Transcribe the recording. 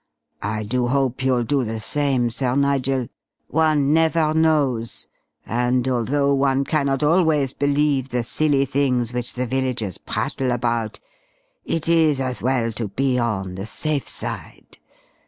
I do hope you'll do the same, Sir Nigel. One never knows, and although one cannot always believe the silly things which the villagers prattle about, it is as well to be on the safe side.